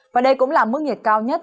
và đây cũng là mức nhiệt cao nhất